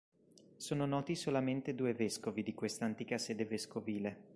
Sono noti solamente due vescovi di questa antica sede vescovile.